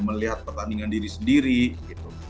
melihat pertandingan diri sendiri gitu